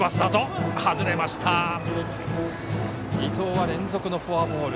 伊藤は連続のフォアボール。